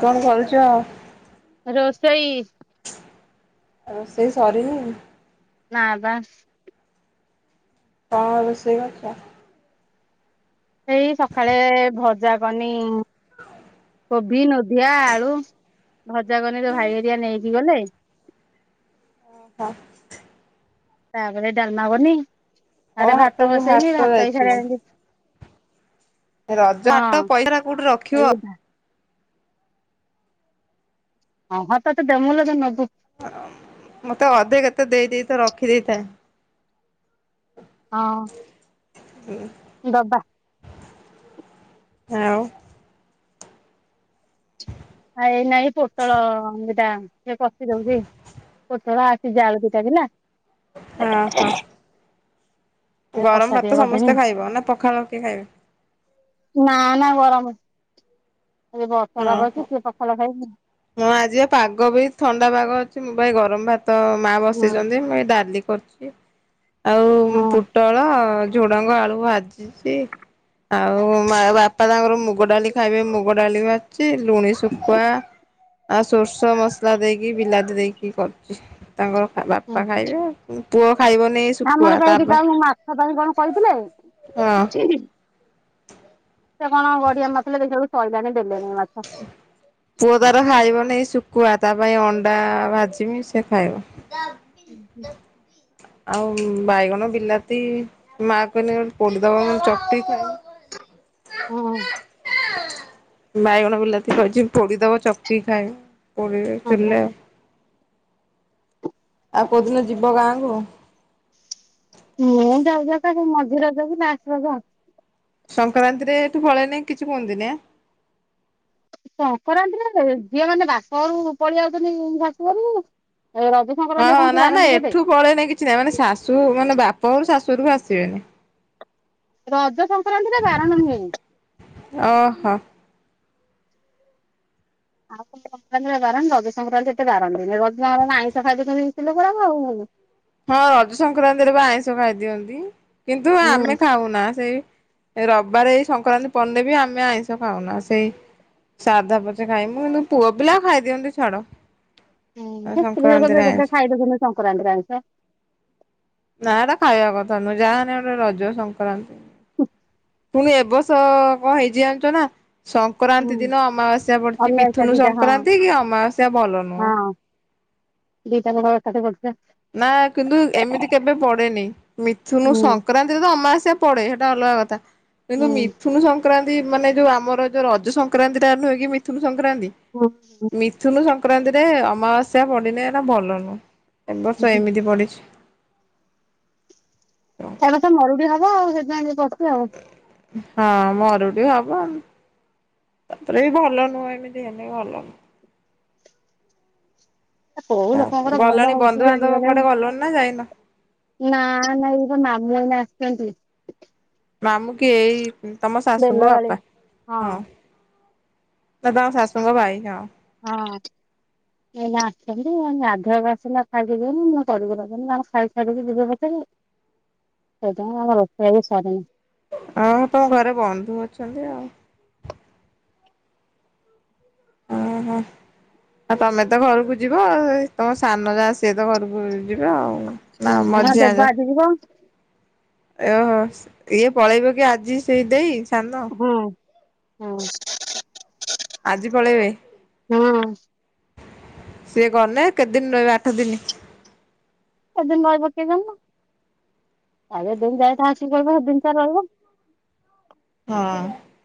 କଣ କରୁଛ। ରୋଷେଇ ରଷେଇ ସରି ନି ନା ବା କଣ ରୋଷେଇ କରିଛ ଏଇ ସକାଳେ ଭଜା କନି କୋବି ନଦିଆ ଆଳୁ ଭଜା କନି ତ ଭାଇ ହେରିକା ନେଇକି ଗଲେ ଓହୋ ତାପରେ ଡାଲମା କଲି ଓ ଆରେ ଭାତ ହାଟକୁ ବସେଇନି ହାଟ ଭାତ ହେଇ ଯାଇଥିଲି। ସାରିଲା ରଜ ହାଟ ପଇସା ଟା କୋଉଠି ଏଇ ରଖିବ ହଁ ହଁ ତତେ ଦେମୁଲେ ତ ନବୁ ମତେ ଅଧେ କେତେ ଦେଇ ଦେଇଥା ରଖି ଦେଇଥା ହଁ ହୁଁ ଦବା ଆଉ ହେଇ ନାଇ ପୋଟଳ ବିଟା ସେ କଷି ଦଉଛି ପୋଟଳ ସିଝା ଆଳୁ ଦିଟା ଥିଲା ହଁ ହଁ ଆଉ ଗରମ କଷା ଟିକେ ଭାତ କରିଦେମି ସମସ୍ତେ ଖାଇବ ନା ପଖାଳ କିଏ ଖାଇବେ ନା ନା ଗରମ ଏ ବର୍ଷା ପାଗ ଅଛି କିଏ ପଖାଳ ଖାଇବ ହଁ ଆଜି ପାଗ ବି ଥଣ୍ଡା ପାଗ ଅଛି ମୁଁ ବା ଏଇ ଗରମ ଭାତ ତ ମା ହୁଁ ବସେଇଛନ୍ତି ମୁଁ ଏଇ ଡାଲି କରୁଛି ଆଉ ହୁଁ ପୋଟଳ ଝୁଡଙ୍ଗ ଆଳୁ ଭାଜିଛି ଆଉ ମା ବାପା ତାଙ୍କର ମୁଗ ଡାଲି ଖାଇବେ ମୁଗ ଡାଲି ବି ଭାଜିଛି ଲୁଣି ଶୁଖୁଆ ଆଉ ସୋର୍ଷ ମସଲା ଦେଇକି ବିଲାତି ଦେଇକି କରୁଛି ତାଙ୍କର ବାପା ଖାଇବେ ଆଉ ଉଁ ପୁଅ ଖାଇବନି ଶୁଖୁଆ ଆମର ବା ତା ଏଠି ପାଇଁ ଖାଉ ମାଛ ଦହି କଣ ହଁ କହିଥିଲେ? ସେ କଣ ଗଡିଆ ମାରିଥିଲେ। ଦେଖିଲା ବେଳକୁ ସଇଲାଣି ଦେଲେନି ମାଛ [unintelligible] ପୁଅ ତାର ଖାଇବ ନାଇ ଶୁକୁଆ। ତା ପାଇଁ ଅଣ୍ଡା ଭାଯିବି ସେ ଖାଇବ। ଉଁ ହୁଁ। ଆଉ ବାଇଗଣ ବିଲାତି ମା କହିଲେ ପୋଡିଦବ ମୁଁ ଚକଟି ଖାଇବି। ହଁ। ବାଇଗଣ ବିଲାତି କହିଚି ପୋଡ଼ିଦବ, ଚକଟି ଖାଇବେ ପୋଡ଼ିଦେବି ହଁ ଚୂଲିରେ ଆଉ। ଆଉ କୋଉଦିନ ଯିବ ଗାଁକୁ? ମୁଁ ଯାଉ ଯାଉ କା ମଝି ରଜ କି ଲାଷ୍ଟ ରଜ। ସଂକ୍ରାନ୍ତିରେ ଏଠୁ ପଳେଇନେ କିଛି କୁହନ୍ତିନି ଏଁ? ସଂକ୍ରାନ୍ତିରେ ଝିଅ ମାନେ, ବାପ ଘରୁ ପଳେଇ ଆଉଚନ୍ତି ଶାଶୁ ଘର କୁ ରଜ। ସଂକ୍ରାନ୍ତି ହଁଁ କଣ କିଏ ନା ନା ବାରନ୍ତି କେତେ ଏଠୁ ପଳେଇନାଇଁ କିଛି ନାହିଁ। ମାନେ ଶାଶୁ ମାନେ ବାପ ଘରୁ ଶାଶୁ ଘର କୁ ଆସିବେନି। ରଜ ସଂକ୍ରାନ୍ତି ରେ ବାରଣ ହୁଏ ନି। ଅହ। ଆଉ କଉ ସଂକ୍ରାନ୍ତି ରେ ବାରଣ। ରଜ ସଂକ୍ରାନ୍ତିରେ ଏତେ ବାରନ୍ତିନି। ରଜ ସଂକ୍ରାନ୍ତି ଆଇଁଷ ପାଇଁଷ ଖାଇ ଦଉଚନ୍ତି ସ୍ତ୍ରୀ ଲୋକଗୁରା ଆଉ। ହଁ ରଜ ସଂକ୍ରାନ୍ତିରେ ବା ଆଇଁଷ ଖାଇଦିଅନ୍ତି। କିନ୍ତୁ ହୁଁ ଆମେ ଖାଉନା ସେଇ ରବିବାର ଏଇ ସଂକ୍ରାନ୍ତି ପିଡିଲେବି। ଆମେ ଆଇଁଷ ଖାଉନା ସେଇ ସାଧା ପଛେ ଖାଇବୁ କିନ୍ତୁ ପୁଅ ପିଲା ଖାଇ ଦିଅନ୍ତି, ଛାଡ। ହୁଁ ସେ ସ୍ତ୍ରୀ ଲୋକଗୁରା [unintelligible] ଖାଇଦଉଚନ୍ତି ସଂକ୍ରାନ୍ତିରେ ଆଇଁଷ। ନା ଏଟା ଖାଇବା କଥା ନୁହଁ। ଯାହାହେଲେ ଏଟା ରଜ ସଂକ୍ରାନ୍ତି। ପୁଣି ଏ ବର୍ଷ କଣ ହେଇଚି ଜାଣିଚ ନା? ହୁଁ ସଂକ୍ରାନ୍ତି ଦିନ ଅମାବାସ୍ୟା ପଡିଚି। ଅମାବାସ୍ୟା ମିଥୁନୁ ଦିଟା ହଁ ସଂକ୍ରାନ୍ତି କି ଅମାବାସ୍ୟା ଭଲ ନୁହେଁ। ଦି ଟା ଯାକ ଏକାଠି ପଡିଚି ବା। ନା କିନ୍ତୁ ଏମିତି କେବେ ପଡେନି। ମିଥୁନୁ ହୁଁ ସଂକ୍ରାନ୍ତି ଅମାବାସ୍ୟା ପଡେ ସେଟା ଅଲଗା କଥା ସଂକ୍ରାନ୍ତି ମାନେ ଯୋଉ ଆମର, ଯୋଉ ରଜ ସଂକ୍ରାନ୍ତି ଟା ନୁହେଁ କି ମିଥୁନୁ ସଂକ୍ରାନ୍ତି। ଓ ହୋ। ମିଥୁନୁ ସଂକ୍ରାନ୍ତିରେ ଅମାବାସ୍ୟା ପଡ଼ିଲେ ଏଇଟା ଭଲ ନୁହଁ। ଏ ବର୍ଷ ହୁଁ। ଏମିତି ପଡିଚି। ତା ପରେ ତ ମରୁଡି ହେବ ଆଉ। ସେଥିପାଇଁ ଟିକେ କରୁଚି ଆଉ। ହଁ, ମରୁଡି ହବ। ତା ପରେ ବି ଭଲ ନୁହଁ। ଏମିତି ହେଲେ ଭଲ ନୁହଁ। କୋଉ ଆଉ ଲୋକଙ୍କର ଭଲ ଗଲଣି ହଉଛି କି ବନ୍ଧୁବାନ୍ଧବ, କୁଆଡେ ଗଲଣି ନା ଯାଇନ? ନାଁ ନଁଇ ମାମୁଁ ଆଇନା ଆସିଚନ୍ତି। ମାମୁଁ କିଏ? ଏଇ ତମ ଶାଶୁଙ୍କ ବେଲବାଳି ହଁ ବାପା। ଦାଦାଙ୍କ ଶାଶୁଙ୍କ ଭାଇ। ହଁ। ହଁ। ଆଇନା ଆସିଚନ୍ତି। ଗାଧୁଆକୁ ଆସିଲେ ଖାଇକି [unintelligible] ଖାଇସାରିକି ଯିବେ ପଛକେ। [unintelligible] ରୋଷଇବାସ ସରିନି। ଆଉ ତମ ଘରେ ବନ୍ଧୁ ଅଛନ୍ତି ଆଉ। ଅ ହଁ। ଆଉ ତମେ ତ ଘରକୁ ଯିବ। ତମ ସାନ ଯାଆ ସିଏ ତ ଘରକୁ ଯିବେ ଆଉ। ନା ମଝିଆ ହଁ। ୟ ହ ଇଏ ପଳେଇବେକି ଆଜି ସେ ଦେଇ ସାନ। ହଁ ହଁ। ଆଜି ପଳେଇବେ? ହଁ। ସିଏ ଗଲେ କେତେ ଦିନ ରହିବେ, ଆଠ ଦିନି? କେତେ ଦିନ ରହିବ କିଏ ଜାଣିଲା? ଆଉ ଏ ଦିନ ଯାଇ [unintelligible] ସେଦିନ ତାର ରହିବ। ହଁ।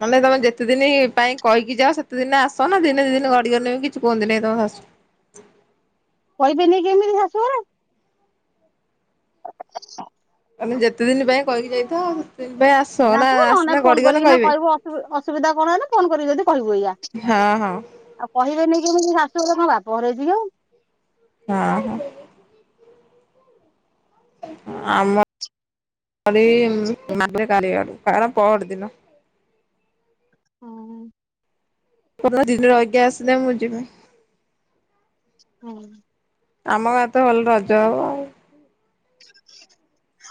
ମାନେ, ତମେ ଯେତେ ଦିନି ପାଇଁ କହିକି ଯାଅ, ସେତେ ଦିନେ ଆସ ନା। ଦିନେ ଦି ଦିନ ଗଡିଗଲେ ବି କିଛି କୁହନ୍ତି ନାଇଁ ତମ ଶାଶୁ। କହିବେନି କେମିତି ଶାଶୁଘରେ? ତମେ ଯେତେ ଦିନ ପାଇଁ କହିକି ଯାଇଥାଅ, କେବେ ଆ ସେଦିନ ଆସିବୁ ନ ହେଲେ ନାଇଁ ଫୋନ କରିକିନା କହିବୁ ଅସୁ-ଅସୁବିଧା କଣ ହେଲା। ଫୋନ କରି ଯଦି କିହିବୁ ଏଇଆା। ହଁ ହଁ। କହିବେନି କେମିତି ଶାଶୁଘର ପରା? କଣ ବାପଘର ହେଇଛିି ନା। ହଁ। ଆମ ଗାଡି ମାନେ [unintelligible] ପଅରି ଦିନ। ଉଁ। କହିବେ ଦିନ ରହିକି ଆସିଲେ ମୁଁ ଯିବି। ହଁ। ଆମ ଗାଁରେ ତ ଭଲ ରଜ ହବ ଆଉ।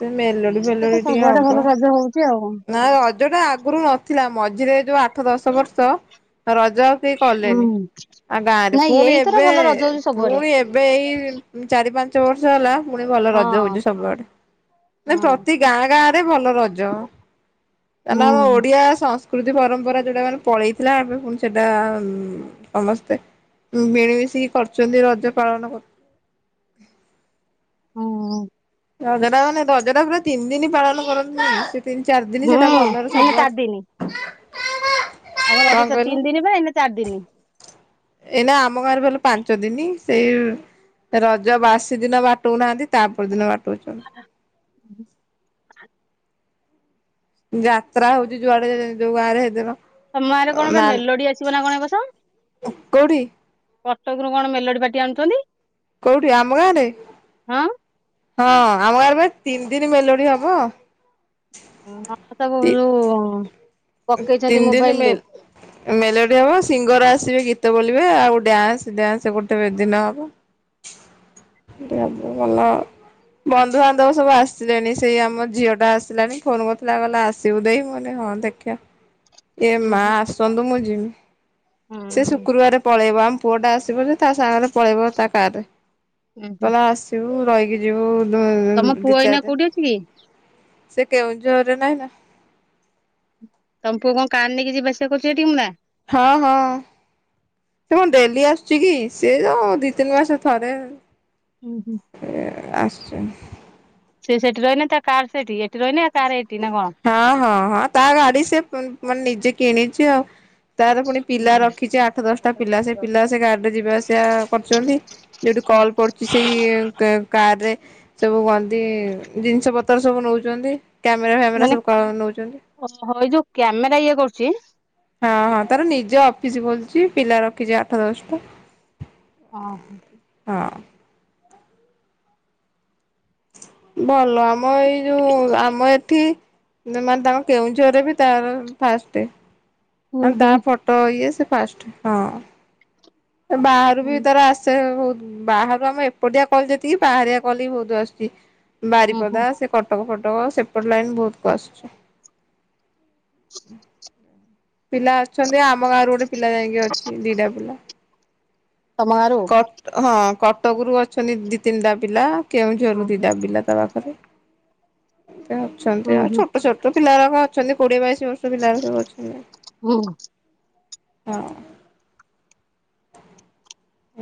ସେ ମେଲୋଡି ହୁଁ ତ ଫେଲୁଡି ଟିକେ ସବୁଆଡେ ହବ ଭଲ ରଜ ହଉଛି ଆଉ। ନା ରଜ ଟା ଆଗରୁ ନ ଥିଲା ମଝିରେ ଯୋଉ ଆଠ, ଦଶ ବର୍ଷ ରଜ ଆଉ କେହି ହୁଁ କଲେନି। ଆ ଗାଁରେ ନାଇଁ ପୁଣି ଏଇଥର ଏବେ ଭଲ ରଜ ହଉଛି ସବୁଆଡେ ପୁଣି ଏବେ ଏଇ ଚାରି, ପାଞ୍ଚ ବର୍ଷ ହେଲା ପୁଣି ଭଲ ହଁ ରଜ ହଉଛି ସବୁଆଡେ। ନା ହଁ। ପ୍ରତି ଗାଁ ଗାଁ ରେ ଭଲ ରଜ କାରଣ ଆମ ହୁଁ ଓଡିଆ ସଂସ୍ ସଂସ୍କୃତି ପରମ୍ପରା ଯୋଉଟା ମାନେ ପଳେଇଥିଲା ଏବେ ପୁଣି ସେଟା ସମସ୍ତେ ମିଳିମିଶିକି କରୁଛନ୍ତି ରଜ ପାଳନ କରୁଚ ଉଁ ରଜଟା ମାନେ ରଜଟା ପୁରା ତିନି ଦିନି ପାଳନ କରନ୍ତିନି କି ସିପ୍ ତିନି ଚାରି ଦିନ ସେଟା ହୁଁ ଭଲରେ ଏଇନେ ସବୁଆ ଆମ ରଜ ସେ ତିନି ଦିନି ହୁଏ ଏଇନେ ଚାରି ଦିନି। ଏଇନା ଆମ ଗାଁ ରେ ଭଲ ପାଞ୍ଚ ଦିନି ସେଇ ରଜ ବାସି ଦିନ ବାଟଉନାହାନ୍ତି ତାପର ଦିନ ବାଟଉଚନ୍ତି। ହଁ [unintelligible] ଯାତ୍ରା ହଉଚି ଯୁଆଡେ ଯୋଉ ଗାଁରେ ହେଦିନ ତମ ଗାଁରେ କଣ ବା ମେଲୋଡି ଆସିବ ନା କଣ ଏ ବର୍ଷ। ଉ କଉଠି? କଟକରୁ କଣ ମେଲୋଡି ପାଟି ଆଣୁଚନ୍ତି। କଉଠି ଆମ ଗାଁରେ? ହଁ। ହଁ ଆମ ଗାଁରେ ପା ତିନି ଦିନି ମେଲୋଡି ହବ। ହ ତୁ ତି [unintelligible] ଯୋଉ ପକେଇଛନ୍ତି ତିନି ଦିନି ମୋବାଇଲରେ ମେଲ୍ ମେଲୋଡି ହବ ସିଙ୍ଗର ଆସିବେ ଗୀତ ବୋଲିବେ ଆଉ ଡ୍ୟାନ୍ସ ଡ୍ୟାନ୍ସ ଗୋଟେ ଦିନ ହବ। ଡାବୁ ଭଲ। ବନ୍ଧୁବାନ୍ଧବ ସବୁ ଆସିଲେଣି ସେଇ ଆମ ଝିଅ ଟା ଆସିଲାଣି ଫୋନ୍ କରିଥିଲା କହିଲା ଆସିବୁ ଦେଇ ମୁଁକହିଲି ହଁ ଦେଖେ ଏ ଉଁ ମା ହୁଁ। ଆସନ୍ତୁ ମୁଁ ଯିମି ସେ ଶୁକ୍ରବାର ପଳେଇବ ଆମ ପୁଅ ଟା ଆସିବ ଯେ ତା ସାଙ୍ଗରେ ପଳେଇବ ତା କାରରେ ଉଁ ହୁଁ କହିଲା ଆସିବୁ ରହିକି ଯିବୁ ତମ ଯଉଁ ଦି ପୁଅ ଏଇନା ଚାରିଦିନ କୋଉଠି ଅଛି କି ସେ କେଉଝରରେ ନାହିଁ ନା। ତମ ପୁଅ କଣ କାର୍ ନେଇକି ଯିବାଆସିବା କରୁଛି ଏଟିକି ନା? ହଁ ହଁ। ସେ କଣ ଡେଲି ଆସୁଛି କି ସିଏ ଯଉ ଦି ତିନି ମାସରେ ଥରେ। ହୁଁ ହୁଁ। ଏ ଆସିଛନ ସେଠି ରହନେ ତା କାର୍ ସେଠି ଏଠି ରହିନେ ହଁ ହଁ ହଁ ତା ଗାଡି ସେ ପ୍ ମାନେ ନିଜେ କିଣିଛି ଆଉ। ତାର ପୁଣି ପିଲା ହୁଁ। ରଖିଛି ଆଠ ଦଶଟା ପିଲା ସେ ପିଲା ସେ ଗାଡ଼ିରେ ଯିବା ଆସିବା କରୁଛନ୍ତି। ଯୋଉଠି କଲ୍ ପଡୁଛି ସେଇ କେ କାରରେ ସବୁ କନତି ଜିନିଷ ପତ୍ର ସବୁ ନଉଛନ୍ତି। କ୍ୟାମେରା ଫ୍ୟାମେରା ମାନେ ସବୁ କ ନଉଛନ୍ତି। ଓହୋ ଏଇ ଯୋଉ କ୍ୟାମେରା ଇଏ କରୁଛି। ହଁ ହଁ ତାର ନିଜ ଅଫିସ ଖୋଲିଛି ପିଲା ରଖିଛି ଆଠ ଦଶଟା। ହଁ ହଁ। ହଁ। ଭଲ ଆମ ଏଇ ଯୋଉ ଆମ ଏଠି ମାନେ ତାଙ୍କ କେଉଁଝର ରେ ବି ତାର ଫାଷ୍ଟେ। ହୁଁ ମାନେ ତା ହୁଁ। ଫଟୋ ଇଏ ସେ ଫାଷ୍ଟ, ହଁ। ବାହାରୁ ବି ହୁଁ ତାର ଆସ୍ ସେ ବହୁତ ବାହାରୁ ଆମେ ଏପଟିଆ କଲ୍ ଯେତିକି, ବାହାରିଆ କଲ୍ ବି ବହୁତ ଆସୁଚି। ହୁଁ ବାରିପଦା, ସେ କଟକ, ଫଟକ ସେପଟ୍ ଲାଇନ୍ ବହୁତ କ ଆସୁଛି। ପିଲା ଅଛନ୍ତି, ଆମ ଗାଁରୁ ଗୋଟେ ପିଲା ଯାଇକି ଅଛି ଦିଟା ପିଲା। ତମ ଗାଁରୁ! କଟ୍ ହଁ କଟକରୁ ଅଛନ୍ତି ଦି ତିନିଟା ପିଲା। ହୁଁ କେଉଁଝରରୁ ଦିଟା ପିଲା ତା ପାଖେରେ। [unintelligible] ହୁଁ ଅଛନ୍ତି ଆଉ। ହୁଁ। ଛୋଟ ଛୋଟ ପିଲାଗୁରାକ ଅଛନ୍ତି କୋଡିଏ ବାଇଶି ବର୍ଷ ପିଲା ଗୁରା ସବୁ ଅଛନ୍ତି। ହୁଁ ହଁ।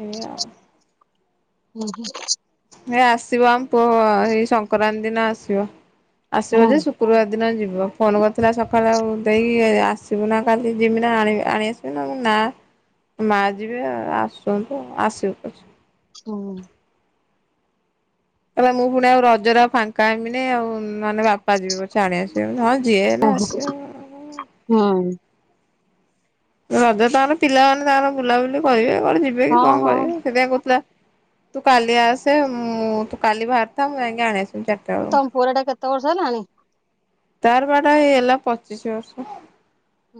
ଏଇଆ ଆଉ। ଉ, ହୁଁ। ଏ ଆସିବ ଆମ ପୁଅ ଏଇ ସଂକ୍ରାନ୍ତି ଦିନ ଆସିବ। ଆସିବ ହୁଁ ଯେ ଶୁକ୍ କ୍ରୁରୁବାର ଦିନ ଯିବ। ଫୋନ୍ କରିଥିଲା ସକାଳୁ ଆଉ ଦେଇ ଆସିବୁ ନା କାଲି [unintelligible] ନା ଆଣିବି ଆଣି ଆସି [unintelligible] ନାଁ ମା ଯିବେ ଆ-ଆସନ୍ତୁ ଆସିବୁ ପଛେ। ହୁଁ। କଲା ମୁଁ ଫୁଣି ଆଉ ରଜରେ ଆଉ ଫାଙ୍କ୍ ଙ୍କା [unintelligible] ଆଉ [unintelligible] ବାପା ଯିବେ ପଛେ ଆଣି ଆସିବେ ହଁ, ଯିଏ ହେଲେ ଆସିବ। ହୁଁ। ରଜରେ ତାର ପିଲାମାନେ ତାର ବୁଲାବୁଲି କରିବେ, କୁଆଡେ ଯିବେ କି କଣ ହଁ କରିବେ? ସେଥିପାଇଁ କହୁଥିଲା। ତୁ କାଲି ଆସେ, ମୁଁ ତୁ କାଲି ବାହାରିଥା ମୁଁ ଯାଇଁକି ଆଣି ଆସିବି। ଚାର୍ ତମ ପୁଅର ଏଇଟା କେତେ ବର୍ଷ ହେଲାଣି? ତାର ବା ଏଟା ହେଇ ହେଲା ପଚିଶି ବର୍ଷ।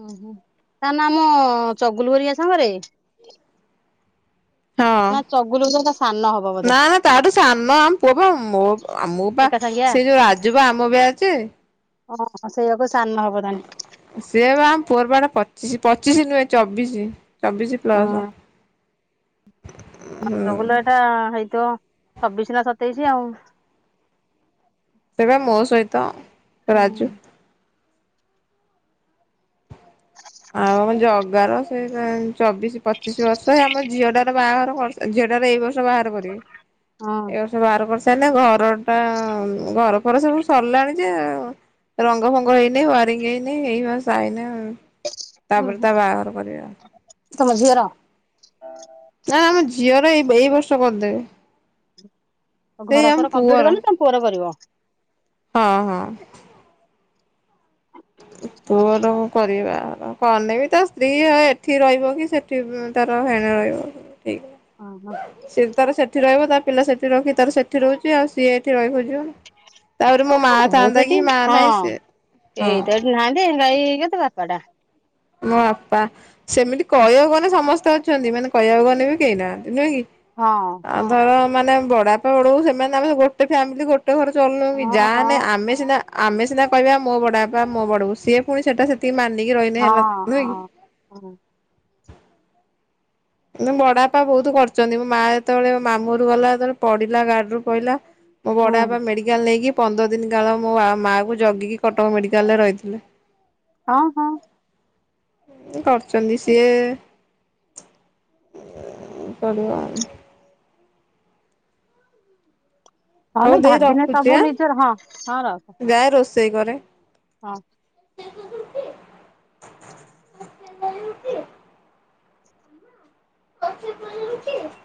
ଓହୋ! ତା ନାମ-ଅଁ ଚଗୁଲୁ ହେରିକା ସାଙ୍ଗରେ! ହଁ ନା ଚଗୁଲୁ ତାର ସାନ ହବ ବ ନା ନା ତାଠୁ ସାନ। ଆମ ପୁଅ ପା ମୋ-ମୋପା ଏକା ସାଙ୍ଗିଆ? ସେ ଯୋଉ ରାଜୁ ବା ଆମ ବ୍ୟାଚେ। ଓହଃ ସେଇଆକୁ ସାନ ହବ [unintelligible] ସିଏ ବା ଆମ ପୁଅର ବା ଏଇଟା ପଚିଶି, ପଚିଶି ନୁହେଁ ଚବିଶି ଚବିଶି ପ୍ଲସ। ଆମ୍ ଚଗୁଲାଟାଁ ହେଇଁଥିବ, ଛବିଶି ନା ସତେଇଶି ଆଉଁ। ସେ ବା ମୋ ସହିତ ହୁଁ ରାଜୁ। ଆଉ ଆମ ଜଗାର ସେ [unintelligible] ଚବିଶି ପଚିଶି ବର୍ଷ, ଏଇ ଆମ ଝିଅଟାର ବାହାଘର କର୍ସ, ଝିଅଟାର ଏଇ ବର୍ଷ ବାହାର କରିବେ, ହଁ। ଏ [unintelligible] ବାହାଘର କରିସାରିନେ, ଘରଟା-ଆଁ-ମ୍ ଘରଫର ସବୁ ସରିଲାଣି ଯେ ରଙ୍ଗ ଫଙ୍ଗ ହେଇନି, ୱାରିଙ୍ଗ୍ ହେଇନି। ହେଇହୁଆ [unintelligible] ଏଁ ଓହୋ! ତମ ଝିଅର? ନା, ନା ଆମ ଝିଅର ଏଇ ବ ଏଇ ବର୍ଷ କର୍ ଦେବେ। ଘର ଫର ପୁଅର କମ୍ପ୍ଲିଟ୍ [unintelligible] ତମ ପୁଅର କରିବ। ହଁ, ହଁ। ପୁଅର କରିବା, [unintelligible] ବି ତାସ୍ ଦି ଭାଇ ଏଠି ରହିବ, କି ସେଠି ତାର ହେଣେ ରହିବ ଠିକ୍ ନାହିଁ? ଅହଁ। ସିଏ ତାର ସେଠି ରହିବ, ତାର ପିଲା ସେଠି ରଖି ତାର ସେଠି ରହୁଛି ଆଉ। ସିଏ ଏଠି ରହିବ [unintelligible] ତା'ପରେ ମୋ ହଁ ତାର ମାଁ ହଉ ଥାନ୍ତା ସେଠି କି, ହଁ ମା ନାହିଁ, ସେ ହଁ ତ ଏଠି କେହି ନାହାନ୍ତି ଗାଈ କେତେ ବାପା ଟା। ମୋ ବାପା ସେମିତି କହି ହବନି ସମସ୍ତେ ଅଛନ୍ତିମାନେ କହିବାକୁ ଗନେ ବି କେହି ନାହାନ୍ତି ନୁହେଁ କି। ହଁ ଆଉ ଧର ମାନେ ବଡାପା ବଡବୋଉ ସେମାନେ ଆମେ ଗୋଟେ ଫ୍ୟାମିଲି ଗୋଟେ ଗୋଟେ ଘର ଚଲୁନୁକି ହଁ ଯାହା ହେନେ ଆମେ ସିନା ଆମେ ସିନା କହିବା ମୋ ବଡ ବାପା ମୋ ବଡବୋଉ ସିଏ ପୁଣି ସେଟା ସେ ସେତିକି ମାନିକି ରହିନେ ହେଲା। ନୁହେଁ କି? ହୁଁ। ହେଲେ ମୋ ବଡଆପା ବୋହୁତ କରି ଚନ୍ତି ମୋ ମା ଯେତେବେଳେ ମାମୁଁ ଘରକୁ ଗଲାଯେତେବେଳେ ପଡିଲା ଗାଡିରୁ ପ ମୋ ହୁଁ ବଡ ଆପା ମେଡିକାଲ ନେଇକି ପନ୍ଦର ଦିନି କାଳ ମୋ ମାକୁ ଜଗିକି କଟକ ମେଡିକାଲରେ ରହିଥିଲେ। ହଁ ହଁ। କରୁଚନ୍ତି ସିଏ [unintelligible] ହୋଉ ନହେଲେ ଦେଇ ଭାବିନେ ରଖୁଚି ସବୁ ନିଜର ହଁ ହଁ ରଖ ଆଁ ଜାଏ ରୋଷେଇ କରେ। ହଁ। [unintelligible]